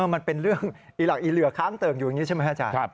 มันเป็นเรื่องให้เหลือคร้างเติ่งอยู่ใช่ไหมครับ